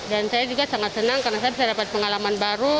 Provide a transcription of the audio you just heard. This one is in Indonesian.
dan saya juga sangat senang karena saya bisa dapat pengalaman baru